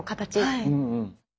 はい。